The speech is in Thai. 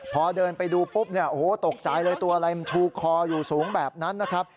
พอเดินไปดูปุ๊บเนี่ยโอ้โหตกใจเลยตัวอะไรมันชูคออยู่สูงแบบนั้นนะครับ